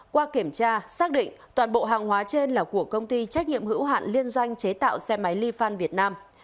qua kiểm tra xác định toàn bộ hàng hóa trên là của công ty trách nhiệm hữu hạn liên doanh chế tạo xe máy li fan việt nam